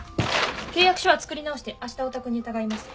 契約書は作り直してあしたお宅に伺います。